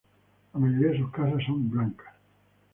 La mayoría de sus casas son blancas.